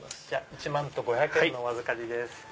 １万と５００円のお預かりです。